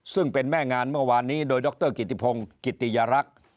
ซึ่งเป็นแม่งานเมื่อวานนี้โดยดรกิติพงศ์กิติยรักษ์